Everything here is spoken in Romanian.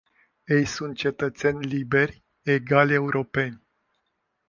Ei sunt cetățeni liberi, egali europeni.